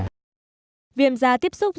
viêm da tiếp xúc với kiến ba khoang ngày càng nặng hơn